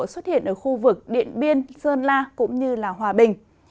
xuất hiện ở khu vực điện biên sơn la cũng như hòa bình